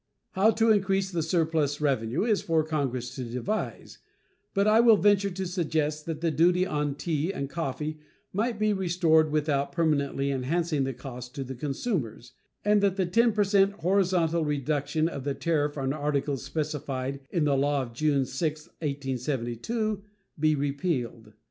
How to increase the surplus revenue is for Congress to devise, but I will venture to suggest that the duty on tea and coffee might be restored without permanently enhancing the cost to the consumers, and that the 10 per cent horizontal reduction of the tariff on articles specified in the law of June 6, 1872, be repealed.